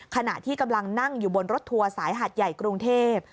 ขณะที่กำลังนั่งอยู่บนรถทัวร์สายหาดใหญ่กรุงเทพ